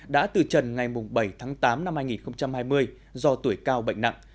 đã từ trần ngày bảy tháng tám năm hai nghìn hai mươi do tuổi cao bệnh nặng